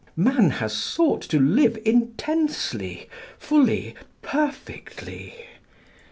Man has sought to live intensely, fully, perfectly.